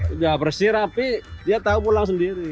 udah bersih rapi dia tahu pulang sendiri